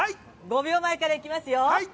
５秒前から行きますよ。